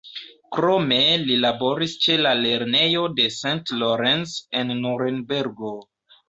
Krome li laboris ĉe la lernejo de St. Lorenz en Nurenbergo.